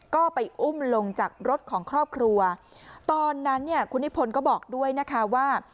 ก็ไปอุ้มลงจากรถของครอบครัวตอนนั้นเนี่ยคุณนิพนธ์ก็บอกด้วยนะคะว่า